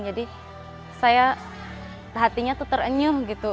jadi saya hatinya tuh terenyuh gitu